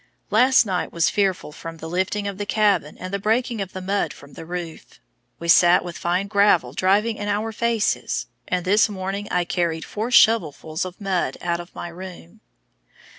Last night was fearful from the lifting of the cabin and the breaking of the mud from the roof. We sat with fine gravel driving in our faces, and this morning I carried four shovelfuls of mud out of my room.